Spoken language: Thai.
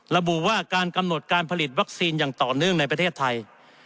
ระบุว่าการกำหนดการผลิตวัคซีนอย่างต่อเนื่องในประเทศไทย